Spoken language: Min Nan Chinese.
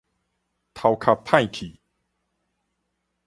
頭殼歹去